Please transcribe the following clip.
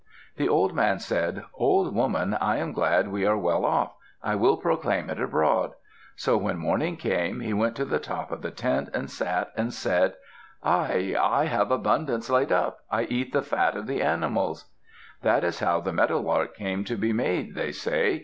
The old man said, "Old woman, I am glad we are well off; I will proclaim it abroad." So when morning came, he went to the top of the tent, and sat, and said, "I, I have abundance laid up. I eat the fat of the animals." That is how the meadow lark came to be made, they say.